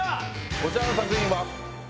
こちらの作品は。